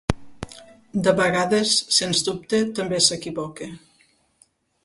De vegades, sens dubte, també s'equivoca.